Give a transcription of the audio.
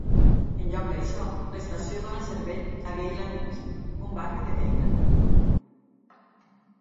En lloc d'això, l'estació dóna servei a Geylang East, un barri de Geylang.